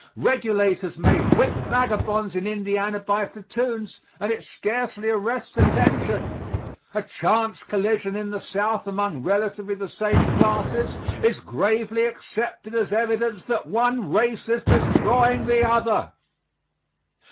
Regulators may whip vagabonds in Indiana by platoons and it scarcely arrests attention a chance collision in the South among relatively the same classes is gravely accepted as evidence that one race is destroying the other.